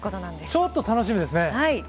ちょっと楽しみですね。